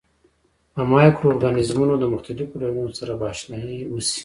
د مایکرو ارګانیزمونو د مختلفو ډولونو سره به آشنايي وشي.